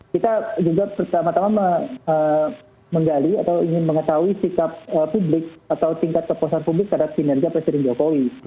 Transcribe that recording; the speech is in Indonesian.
kita juga pertama tama menggali atau ingin mengetahui sikap publik atau tingkat kepuasan publik terhadap kinerja presiden jokowi